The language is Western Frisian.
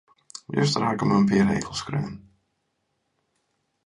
Juster haw ik him in pear rigels skreaun.